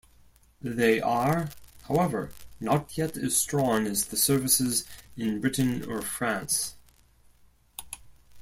They are, however, not yet as strong as the services in Britain or France.